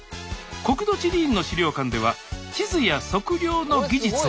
国土地理院の資料館では地図や測量の技術を。